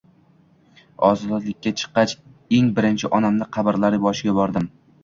Ozodlikga chiqgach eng birinchi onamni qabrlari boshiga bordim